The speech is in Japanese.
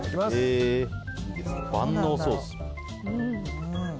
万能ソース。